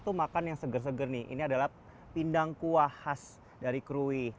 tuh makan yang seger seger nih ini adalah pindang kuah khas dari krui